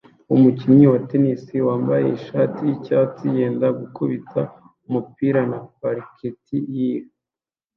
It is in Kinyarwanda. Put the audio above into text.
umukinnyi wa tennis wambaye ishati yicyatsi yenda gukubita umupira na marquet ye